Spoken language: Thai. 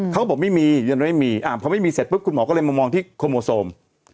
เขาบอกไม่มีเงินไม่มีพอไม่มีเสร็จปุ๊บคุณหมอก็เลยมามองที่โคโมโซม